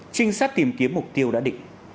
trinh sát tìm kiếm mục tiêu đã định